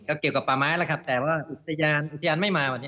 ก็เกี่ยวกับป่าไม้แล้วครับแต่ว่าอุทยานอุทยานไม่มาวันนี้